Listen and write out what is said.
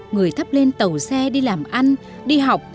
người thắp lên tàu xe đi làm ăn đi học